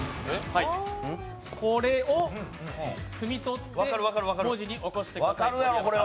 これをくみ取って文字に起こしてください。